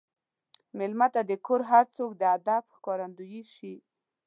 مېلمه ته د کور هر څوک د ادب ښکارندوي شي.